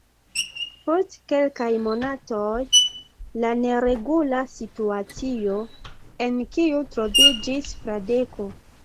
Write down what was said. Post kelkaj monatoj, la neregula situacio, en kiu troviĝis Fradeko.